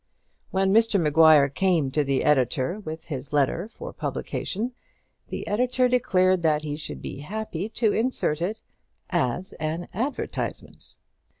When Mr Maguire came to the editor with his letter for publication, the editor declared that he should be happy to insert it as an advertisement.